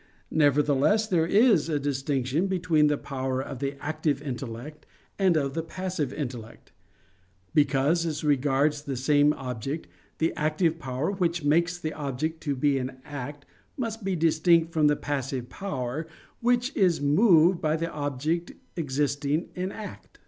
Nevertheless there is a distinction between the power of the active intellect and of the passive intellect: because as regards the same object, the active power which makes the object to be in act must be distinct from the passive power, which is moved by the object existing in act.